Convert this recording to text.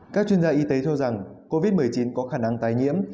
các chuyên gia y tế cho rằng covid một mươi chín có khả năng tái nhiễm